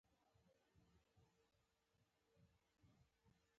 پنځه اتیا یمه پوښتنه د اساسي قانون په اړه ده.